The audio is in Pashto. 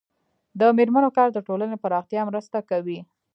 د میرمنو کار د ټولنې پراختیا مرسته کوي.